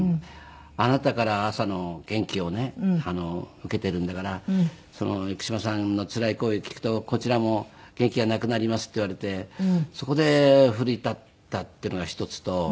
「あなたから朝の元気をね受けているんだから生島さんのつらい声を聞くとこちらも元気がなくなります」って言われてそこで奮い立ったっていうのが一つと。